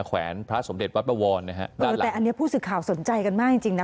แขวนพระสมเด็จวัดปวรนะฮะเออแต่อันนี้ผู้สื่อข่าวสนใจกันมากจริงจริงนะ